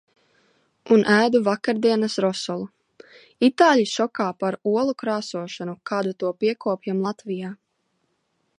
Un ēdu vakardienas rasolu. Itāļi šokā par olu krāsošanu, kādu to piekopjam Latvijā.